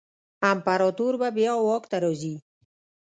امپراتور به بیا واک ته راځي.